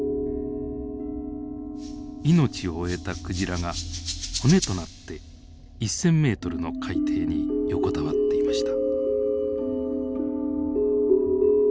命を終えたクジラが骨となって１，０００ｍの海底に横たわっていました。